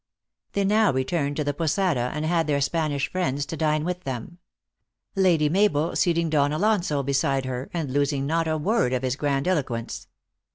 They now returned to the posada and had their Spanish friends to dine with them Lady Mabel seat ing Don Alonso beside her, and losing not a word of his grandiloquence.